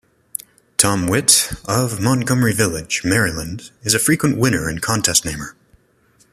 Tom Witte, of Montgomery Village, Maryland, is a frequent winner and contest-namer.